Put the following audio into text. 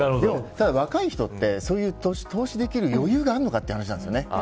ただ若い人って投資できる余裕があるのかという話なんですよね。